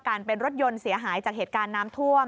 เป็นรถยนต์เสียหายจากเหตุการณ์น้ำท่วม